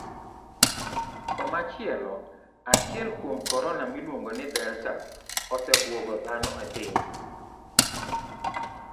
Koma chielo, achiel kuom korona miluong'o ni delta, osebuogo dhano e piny.